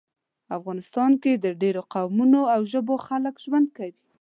افغانستان کې د ډیرو قومونو او ژبو خلک ژوند کوي